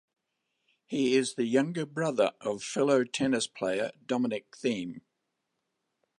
He is the younger brother of fellow tennis player Dominic Thiem.